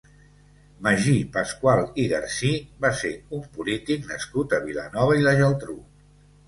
Magí Pascual i Garcí va ser un polític nascut a Vilanova i la Geltrú.